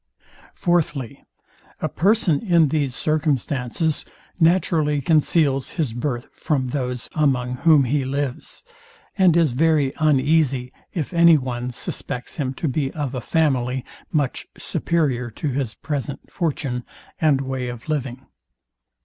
Fourthly, A person in these circumstances naturally conceals his birth from those among whom he lives, and is very uneasy, if any one suspects him to be of a family, much superior to his present fortune and way of living.